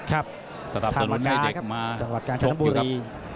ครับสถาปตรวจมูลให้เด็กมาจังหวัดการ์ดชะนังบุรีครับ